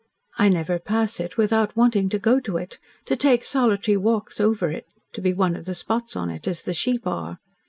"I never pass it without wanting to go to it to take solitary walks over it, to be one of the spots on it as the sheep are.